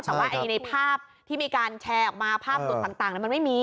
แต่ว่าในภาพที่มีการแชร์ออกมาภาพสดต่างมันไม่มี